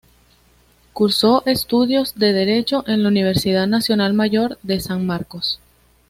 Cursó estudios de Derecho en la Universidad Nacional Mayor de San Marcos.